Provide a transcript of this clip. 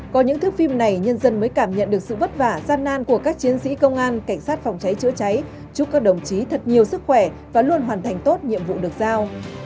có những thức phim này nhân dân mới cảm nhận được sự vất vả gian nan của các chiến sĩ công an cảnh sát phòng cháy chữa cháy chúc các đồng chí thật nhiều sức khỏe và luôn hoàn thành tốt nhiệm vụ được giao